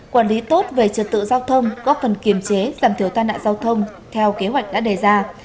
quản lý tốt về trật tự giao thông góp phần kiềm chế giảm thiểu tai nạn giao thông theo kế hoạch đã đề ra